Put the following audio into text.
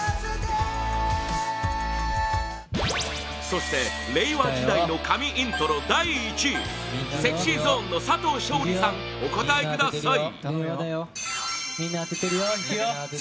そして、令和時代の神イントロ第１位ＳｅｘｙＺｏｎｅの佐藤勝利さん、お答えください